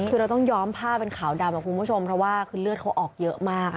คือเราต้องย้อมผ้าเป็นขาวดำคุณผู้ชมเพราะว่าคือเลือดเขาออกเยอะมาก